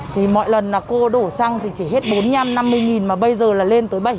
thì mọi lần là cô đổ xăng thì chỉ hết bốn mươi năm năm mươi mà bây giờ là lên tới bảy mươi